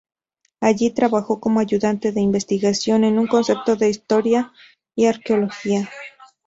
Allí trabajó como ayudante de investigación en un centro de prehistoria y arqueología.